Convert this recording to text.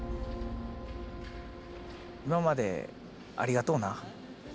今までありがとうな！